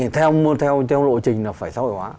thì theo lộ trình là phải xã hội hóa